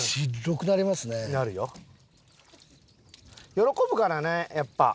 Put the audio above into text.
喜ぶからねやっぱ。